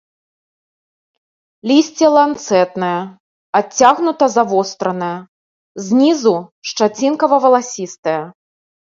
Лісце ланцэтнае, адцягнута завостранае, знізу шчацінкава-валасістае.